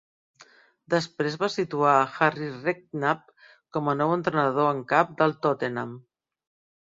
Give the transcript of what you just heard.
Després va situar a Harry Redknapp com a nou entrenador en cap del Tottenham.